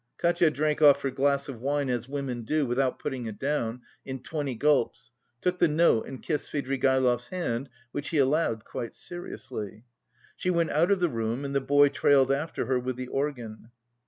Katia drank off her glass of wine, as women do, without putting it down, in twenty gulps, took the note and kissed Svidrigaïlov's hand, which he allowed quite seriously. She went out of the room and the boy trailed after her with the organ.